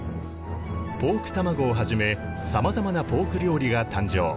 ポークたまごをはじめさまざまなポーク料理が誕生。